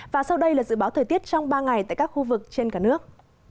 và sau đây là dự báo thời tiết trong ba ngày tại các khu vực trên cả nước